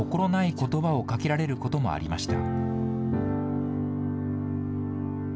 ことばをかけられることもありました。